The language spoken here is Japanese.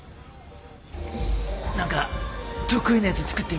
何か得意なやつ作ってみてよ。